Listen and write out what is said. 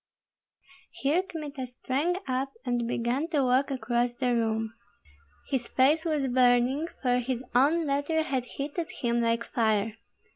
Here Kmita sprang up and began to walk across the room. His face was burning, for his own letter had heated him like fire.